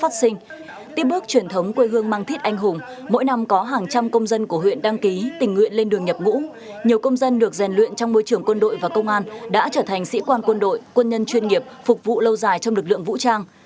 tiếp bước truyền thống quê hương mang thít anh hùng mỗi năm có hàng trăm công dân của huyện đăng ký tình nguyện lên đường nhập ngũ nhiều công dân được rèn luyện trong môi trường quân đội và công an đã trở thành sĩ quan quân đội quân nhân chuyên nghiệp phục vụ lâu dài trong lực lượng vũ trang